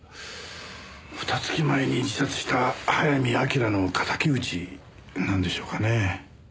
ふた月前に自殺した早見明の敵討ちなんでしょうかねえ？